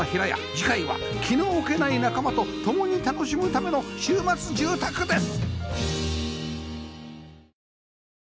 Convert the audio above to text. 次回は気の置けない仲間と共に楽しむための週末住宅です